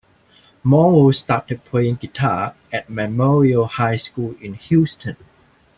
Morrow started playing guitar at Memorial High School in Houston.